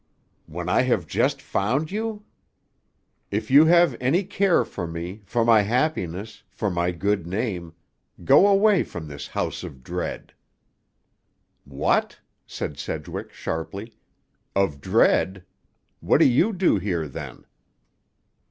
"When I have just found you?" "If you have any care for me—for my happiness—for my good name—go away from this house of dread." "What?" said Sedgwick sharply. "Of dread? What do you do here, then?"